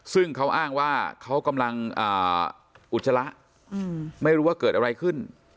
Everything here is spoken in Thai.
ซึ่งเขาอ้างว่าเขากำลังอุจจาระไม่รู้ว่าเกิดอะไรขึ้น